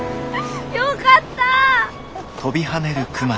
よかった！